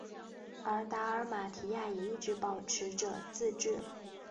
而达尔马提亚也一直保持着自治。